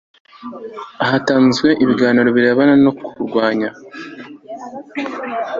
hatanzwe ibiganiro birebana no kurwanya